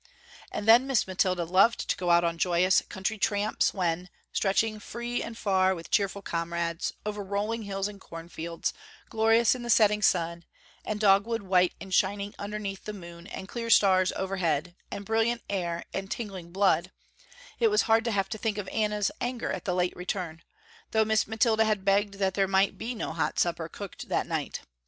And then Miss Mathilda loved to go out on joyous, country tramps when, stretching free and far with cheerful comrades, over rolling hills and cornfields, glorious in the setting sun, and dogwood white and shining underneath the moon and clear stars over head, and brilliant air and tingling blood, it was hard to have to think of Anna's anger at the late return, though Miss Mathilda had begged that there might be no hot supper cooked that night.